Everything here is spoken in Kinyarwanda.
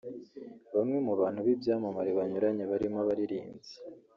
Bamwe mu bantu b’ibyamamare banyuranye barimo abaririmbyi